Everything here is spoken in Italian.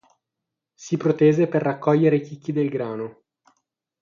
Si protese per raccogliere i chicchi del grano.